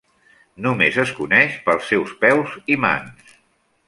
Només es coneix pels seus peus i mans.